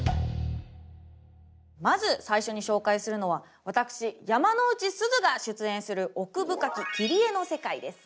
まず最初に紹介するのは私山之内すずが出演する「奥深き切り絵の世界」です。